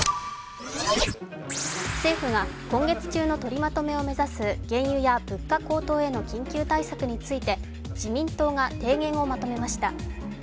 政府が今月中のとりまとめを目指す原油や物価高騰への緊急対策について自民党が提言をまとめました。